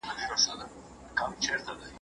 ده د شعر او ادب له لارې ټولنه پوهاوه